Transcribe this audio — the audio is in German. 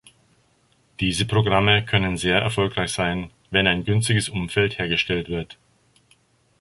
Diese Programme können sehr erfolgreich sein, wenn ein günstiges Umfeld hergestellt wird.